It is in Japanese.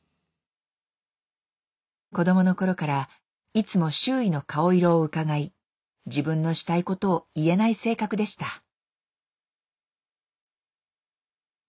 子供の頃からいつも周囲の顔色をうかがい自分のしたいことを言えない性格でした。